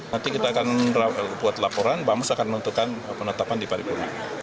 nanti kita akan buat laporan bamus akan menentukan penetapan di paripurna